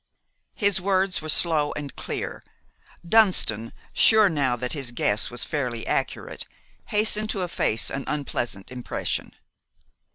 His words were slow and clear. Dunston, sure now that his guess was fairly accurate, hastened to efface an unpleasant impression.